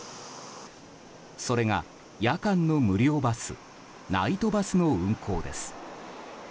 それが夜間の無料バスナイトバスの運行です。